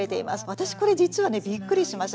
私これ実はねびっくりしました。